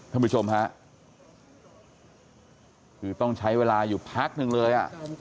ท่านผู้ชมฮะคือต้องใช้เวลาอยู่พักหนึ่งเลยอ่ะ